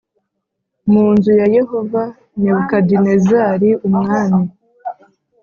mu nzu ya Yehova Nebukadinezari umwami.